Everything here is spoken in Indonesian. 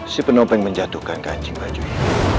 si penopeng menjatuhkan kancing bajunya